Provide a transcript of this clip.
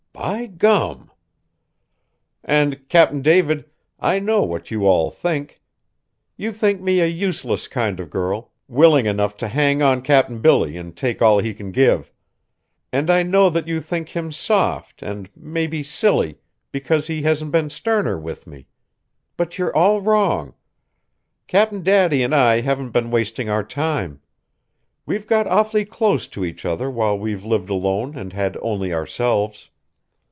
"By gum!" "And, Cap'n David, I know what you all think. You think me a useless kind of girl, willing enough to hang on Cap'n Billy and take all he can give. And I know that you think him soft and, maybe, silly, because he hasn't been sterner with me. But you're all wrong! Cap'n Daddy and I haven't been wasting our time. We've got awfully close to each other while we've lived alone and had only ourselves.